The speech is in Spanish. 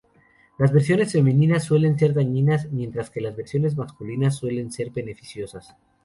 Las versiones femeninas suelen ser dañinas mientras que las versiones masculinas suelen ser beneficiosas.